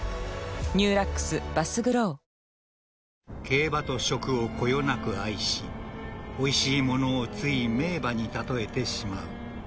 ［競馬と食をこよなく愛しおいしいものをつい名馬に例えてしまう］